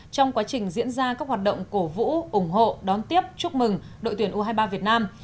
trong quá trình diễn ra các hoạt động cổ vũ ủng hộ đón tiếp chúc mừng đội tuyển u hai mươi ba việt nam